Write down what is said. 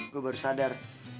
gue baru sadar